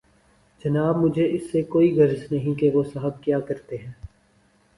جناب مجھے اس سے کوئی غرض نہیں کہ وہ صاحب کیا کرتے ہیں۔